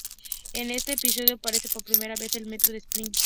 En este episodio aparece por primera vez el metro de Springfield.